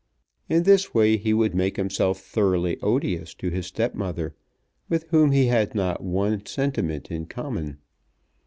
In this way he would make himself thoroughly odious to his stepmother, with whom he had not one sentiment in common.